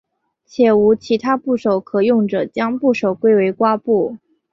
且无其他部首可用者将部首归为瓜部。